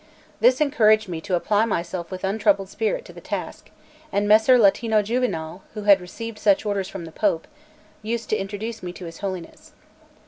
This encouraged me to apply myself with untroubled spirit to the task; and Messer Latino Juvinale, who had received such orders from the Pope, used to introduce me to his Holiness.